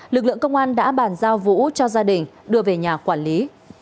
lực lượng công an đã bàn giao vũ cho gia đình đưa về nhà quản lý